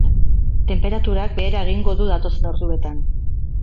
Tenperaturak behera egingo du datozen orduetan.